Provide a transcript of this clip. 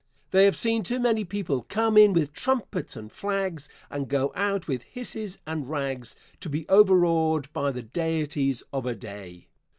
They have seen too many people come in with trumpets and flags and go out with hisses and rags to be overawed by the deities of a day.